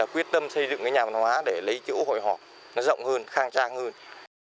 quyết tâm xây dựng cái nhà văn hóa để lấy chỗ hội họp nó rộng hơn khang trang hơn